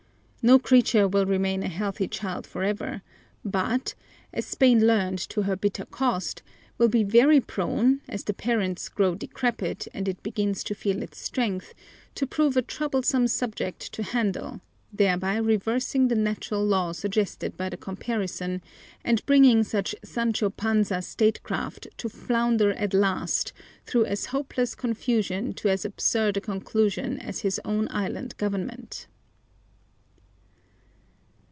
No creature will remain a healthy child forever, but, as Spain learned to her bitter cost, will be very prone, as the parent grows decrepit and it begins to feel its strength, to prove a troublesome subject to handle, thereby reversing the natural law suggested by the comparison, and bringing such Sancho Panza statecraft to flounder at last through as hopeless confusion to as absurd a conclusion as his own island government.